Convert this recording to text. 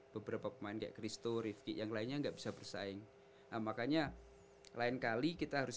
beberapa pemain kayak christo rifki yang lainnya nggak bisa bersaing makanya lain kali kita harus